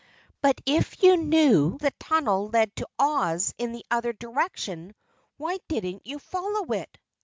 "But if you knew the tunnel led to Oz in the other direction, why didn't you follow it?"